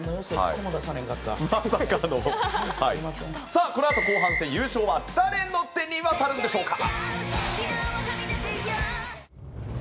さあこのあと後半戦優勝は誰の手に渡るんでしょうか？